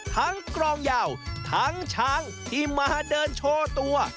กรองยาวทั้งช้างที่มาเดินโชว์ตัว